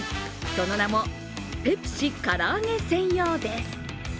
その名もペプシからあげ専用です。